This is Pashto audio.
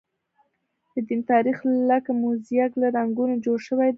د دین تاریخ لکه موزاییک له رنګونو جوړ شوی دی.